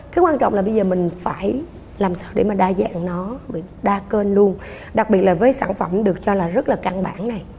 cái quan trọng là bây giờ mình phải làm sao để mà đa dạng nó đa kênh luôn đặc biệt là với sản phẩm được cho là rất là căn bản này